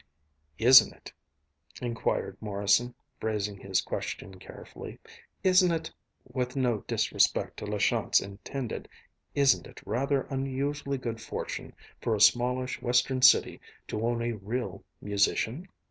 "Isn't it," inquired Morrison, phrasing his question carefully, "isn't it, with no disrespect to La Chance intended, isn't it rather unusually good fortune for a smallish Western city to own a real musician?"